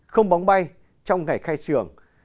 không bóng bay trong ngày khai trường